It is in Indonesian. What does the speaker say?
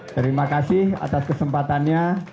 terima kasih atas kesempatannya